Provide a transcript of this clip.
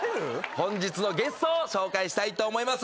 本日のゲストを紹介したいと思います